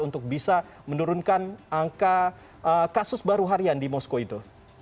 untuk bisa menurunkan angka kasus baru harian di moskow itu